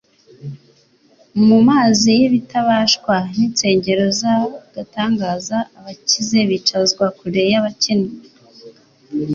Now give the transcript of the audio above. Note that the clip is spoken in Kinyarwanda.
Mu mazu y'ibitabashwa n'insengero z'agatangaza, abakize bicazwa kure y'abakene,